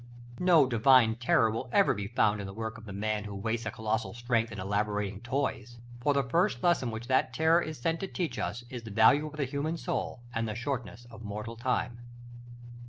No Divine terror will ever be found in the work of the man who wastes a colossal strength in elaborating toys; for the first lesson which that terror is sent to teach us, is the value of the human soul, and the shortness of mortal time.